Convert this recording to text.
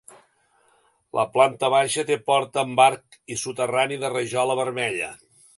La planta baixa té porta amb arc i soterrani de rajola vermella.